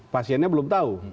pasiennya belum tahu